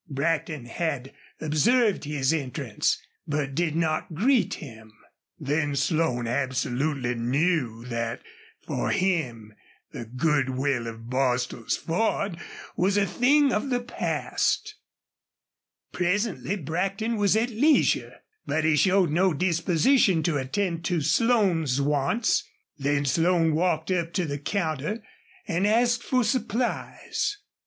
Brackton had observed his entrance, but did not greet him. Then Slone absolutely knew that for him the good will of Bostil's Ford was a thing of the past. Presently Brackton was at leisure, but he showed no disposition to attend to Slone's wants. Then Slone walked up to the counter and asked for supplies.